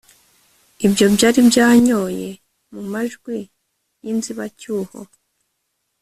Ibyo byari byanyoye mumajwi yinzibacyuho